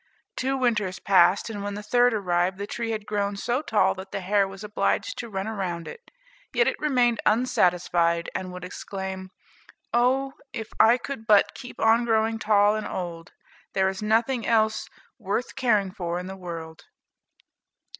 Two winters passed, and when the third arrived, the tree had grown so tall that the hare was obliged to run round it. Yet it remained unsatisfied, and would exclaim, "Oh, if I could but keep on growing tall and old! There is nothing else worth caring for in the world!"